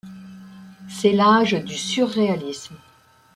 C’est l’âge du surréalisme.